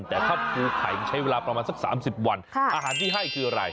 แต่ถ้าปูไข่มันใช้เวลาประมาณสัก๓๐วันอาหารที่ให้คืออะไร